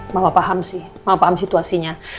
mama paham sih maaf paham situasinya